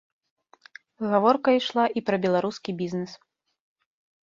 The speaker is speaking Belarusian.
Гаворка ішла і пра беларускі бізнес.